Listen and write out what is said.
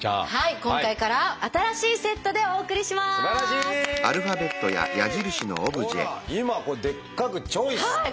今回から新しいセットでお送りします！